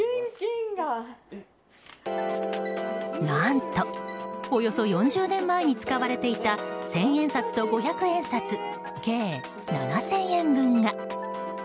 何とおよそ４０年前に使われていた千円札と五百円札計７０００円分が。